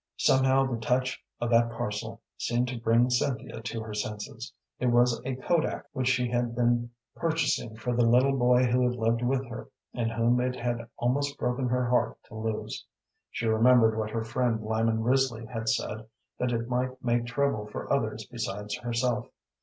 Somehow the touch of that parcel seemed to bring Cynthia to her senses. It was a kodak which she had been purchasing for the little boy who had lived with her, and whom it had almost broken her heart to lose. She remembered what her friend Lyman Risley had said, that it might make trouble for others besides herself.